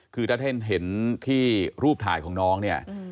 คือถ้าท่านเห็นที่รูปถ่ายของน้องเนี่ย